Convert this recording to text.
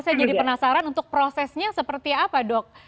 saya jadi penasaran untuk prosesnya seperti apa dok